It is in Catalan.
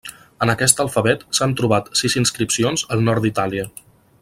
En aquest alfabet s'han trobat sis inscripcions al nord d'Itàlia.